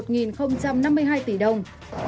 gần một năm mươi hai tỷ đồng